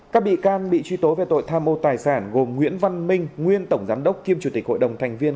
các bị can bị truy tố về tội tham mô tài sản gồm nguyễn văn minh nguyên tổng giám đốc kiêm chủ tịch hội đồng thành viên